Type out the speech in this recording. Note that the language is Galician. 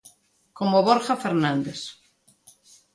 Como Borja Fernández.